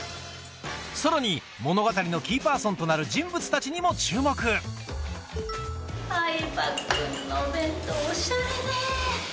さらに物語のキーパーソンとなる人物たちにも注目饗庭君のお弁当オシャレね。